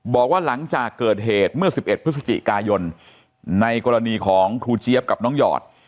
บอกว่าหลังจากเกิดเหตุเมื่อ๑๑พฤศจิกายนในกรณีของครูเจี๊ยบกับน้องหยอด